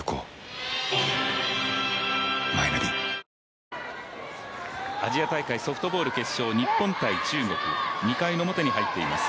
続けようアジア大会ソフトボール決勝日本×中国、２回の表に入っています。